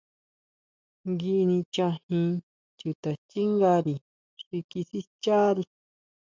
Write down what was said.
Ngui nichajin chutaxchingári xi kisixchari.